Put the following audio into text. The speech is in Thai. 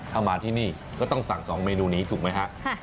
ถ้ามาที่นี่ก็ต้องสั่ง๒เมนูนี้ถูกไหมฮะ